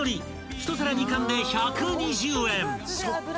［一皿２貫で１２０円］